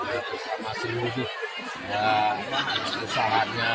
ya untuk masing masing ya untuk usahanya